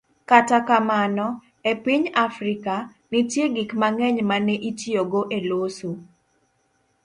Kata kamano, e piny Afrika, nitie gik mang'eny ma ne itiyogo e loso